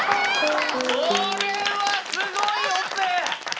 これはすごいオペ！